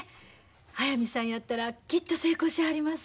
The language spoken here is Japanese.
速水さんやったらきっと成功しはります。